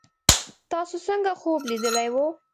تاسو څنګه خوب لیدلی وو